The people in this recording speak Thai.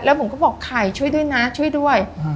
ผมก็บอกไข่ช่วยด้วยนะช่วยด้วย